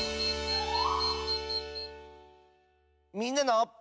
「みんなの」。